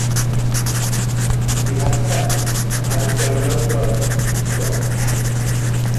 He had faith and had to go no further to please God.